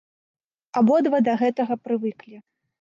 Абодва да гэтага прывыклі.